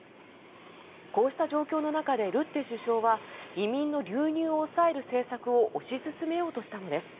こうした状況の中でルッテ首相は移民の流入を抑える政策を推し進めようとしたのです。